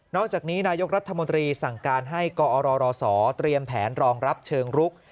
อกจากนี้นายกรัฐมนตรีสั่งการให้กอรศเตรียมแผนรองรับเชิงรุก